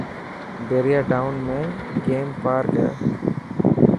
پهريان ٽاون ۾ گيم پارڪ هي.